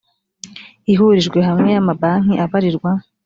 ihurije hamwe y amabanki abarirwa